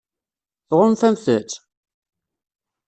Tɣunfamt-tt?